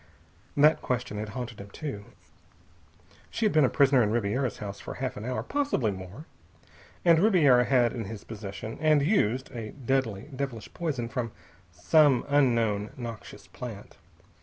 That question had haunted him too. She had been a prisoner in Ribiera's house for half an hour, possibly more. And Ribiera had in his possession, and used, a deadly, devilish poison from some unknown noxious plant.